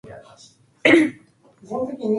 His mother worked as a legal secretary.